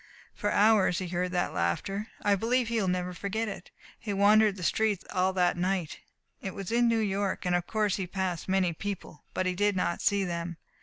For hours he heard that laughter. I believe he will never forget it. He wandered the streets all that night. It was in New York, and of course he passed many people. But he did not see them.